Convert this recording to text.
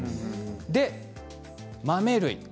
で豆類。